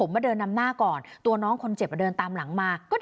ไม่รู้จักนะเขาอาจจะจำคนผิด